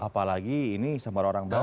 apalagi ini sama orang bawah